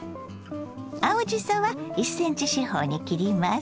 青じそは１ｃｍ四方に切ります。